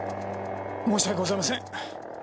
申し訳ございません。